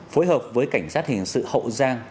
phối hợp với cảnh sát hình sự hậu giang